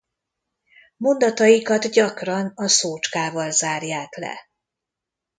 Mondataikat gyakran a szócskával zárják le.